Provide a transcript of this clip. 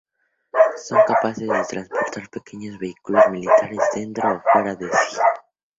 Son capaces de transportar pequeños vehículos militares dentro o fuera de sí.